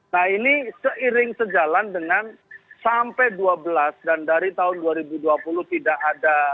nah ini seiring sejalan dengan sampai dua belas dan dari tahun dua ribu dua puluh tidak ada